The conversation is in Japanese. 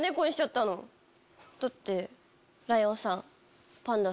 だって。